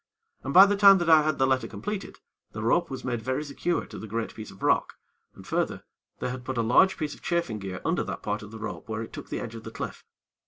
And by the time that I had the letter completed, the rope was made very secure to the great piece of rock, and, further, they had put a large piece of chafing gear under that part of the rope where it took the edge of the cliff.